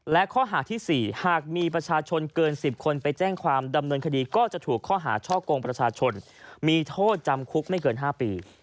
และข้อหาที่๔หากมีประชาชนเกิน๑๐คนไปแจ้งความดำเนินคดีก็จะถูกข้อหาช่อกงประชาชนมีโทษจำคุกไม่เกิน๕ปี